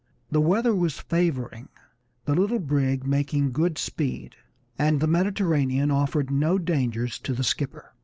The weather was favoring, the little brig making good speed, and the Mediterranean offered no dangers to the skipper.